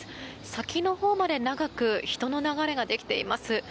先のほうまで長く人の流れができています。